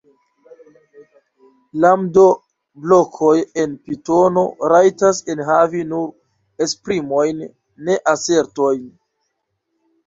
Lambdo-blokoj en Pitono rajtas enhavi nur esprimojn, ne asertojn.